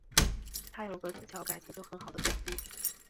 她有个自小感情就很好的表弟